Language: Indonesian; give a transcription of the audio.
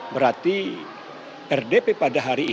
berarti rdp pada hari ini